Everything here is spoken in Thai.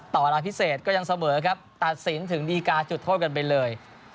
เวลาพิเศษก็ยังเสมอครับตัดสินถึงดีการ์จุดโทษกันไปเลย